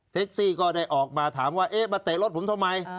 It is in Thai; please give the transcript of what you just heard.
ซี่ก็ได้ออกมาถามว่าเอ๊ะมาเตะรถผมทำไม